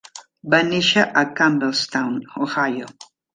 Va néixer a Campbellstown, Ohio.